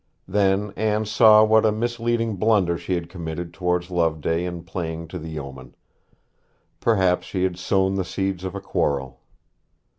Then Anne saw what a misleading blunder she had committed towards Loveday in playing to the yeoman. Perhaps she had sown the seeds of a quarrel.